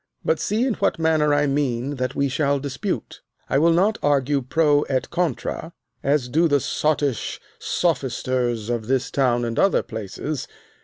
But see in what manner I mean that we shall dispute. I will not argue pro et contra, as do the sottish sophisters of this town and other places.